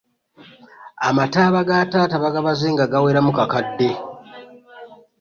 Amataaba ga taata bagabaze nga gaweramu kakadde.